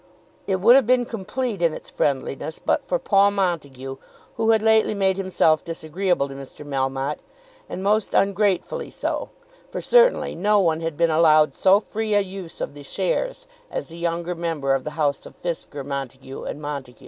It would have been complete in its friendliness, but for Paul Montague, who had lately made himself disagreeable to Mr. Melmotte; and most ungratefully so, for certainly no one had been allowed so free a use of the shares as the younger member of the house of Fisker, Montague, and Montague.